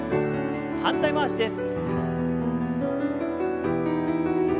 反対回しです。